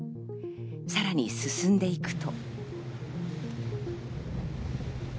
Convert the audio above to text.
さらに進んでいくと。